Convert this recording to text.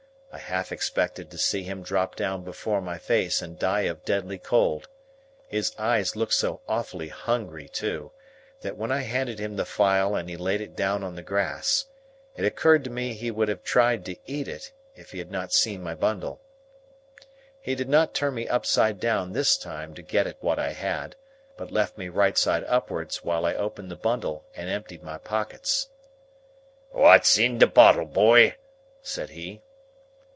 I half expected to see him drop down before my face and die of deadly cold. His eyes looked so awfully hungry too, that when I handed him the file and he laid it down on the grass, it occurred to me he would have tried to eat it, if he had not seen my bundle. He did not turn me upside down this time to get at what I had, but left me right side upwards while I opened the bundle and emptied my pockets. "What's in the bottle, boy?" said he.